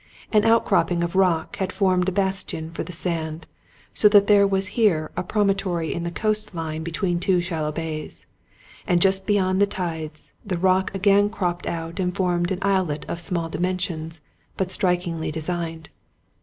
An outcropping of rock had formed a bastion for the sand, so that there was here a promontory in the coast line between two shallow bays; and just beyond the tides, the rock again cropped out and formed an islet of small dimen sions but strikingly designed.